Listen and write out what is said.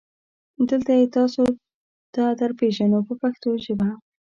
دلته یې تاسو ته درپېژنو په پښتو ژبه.